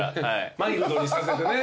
マイルドにさせてね。